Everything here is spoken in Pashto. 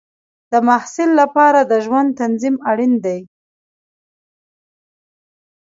د محصل لپاره د ژوند تنظیم اړین دی.